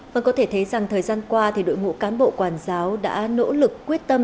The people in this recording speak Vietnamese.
vâng có thể thấy rằng thời gian qua đội ngũ cán bộ quản giáo đã nỗ lực quyết tâm